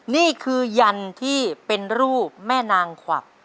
นี่คือยันที่เป็นรูปแม่นางขวัก